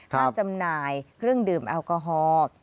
จำหน่ายเครื่องดื่มแอลกอฮอล์